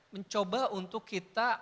mencoba untuk kita